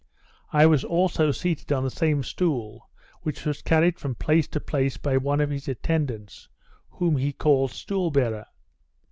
I was also seated on the same stool, which was carried from place to place by one of his attendants, whom he called stool bearer.